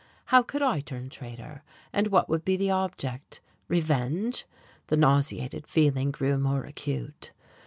How could I turn traitor? and what would be the object? revenge? The nauseated feeling grew more acute....